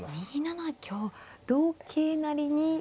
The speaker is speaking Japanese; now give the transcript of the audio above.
２七香同桂成に。